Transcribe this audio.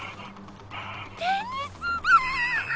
テニスだ！